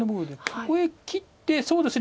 ここへ切ってそうですね